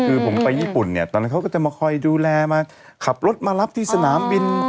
คือผมไปญี่ปุ่นเนี่ยตอนนั้นเขาก็จะมาคอยดูแลมาขับรถมารับที่สนามบิน